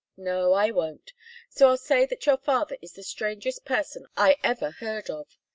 "No, I won't. So I'll say that your father is the strangest person I ever heard of.